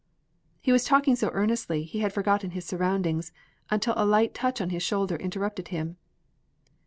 He was talking so earnestly, he had forgotten his surroundings, until a light touch on his shoulder interrupted him.